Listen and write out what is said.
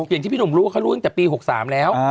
เหมือนที่พี่หนุ่มรู้เขาร่วมจากปี๖๓แล้ว